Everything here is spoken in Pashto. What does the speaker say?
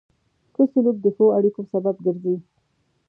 ښه سلوک د ښو اړیکو سبب ګرځي.